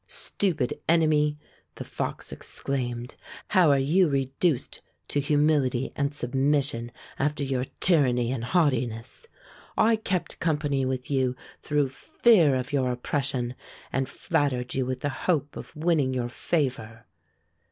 " Stupid enemy !" the fox exclaimed, " how are you reduced to humility and submission after your tyranny and haughtiness ! I kept company with you through fear of your op pression, and flattered you with the hope of winning your favor."